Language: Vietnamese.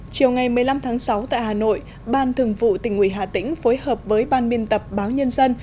chiều ngày một mươi năm tháng sáu tại hà nội ban thường vụ tỉnh ủy hà tĩnh phối hợp với ban biên tập báo nhân dân